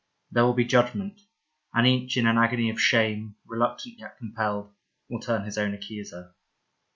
There will be judgment, and each, in an agony of shame, reluctant yet compelled, will turn his own accuser.